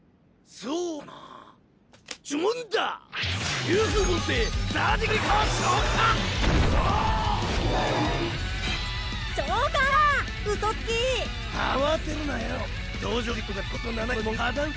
そうだな。